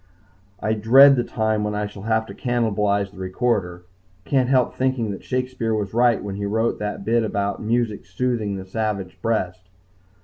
I dread the time when I shall have to cannibalize the recorder. Can't help thinking that Shakespeare was right when he wrote that bit about music soothing the savage breast.